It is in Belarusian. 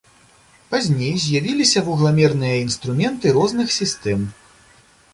Пазней з'явіліся вугламерныя інструменты розных сістэм.